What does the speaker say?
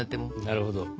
なるほど。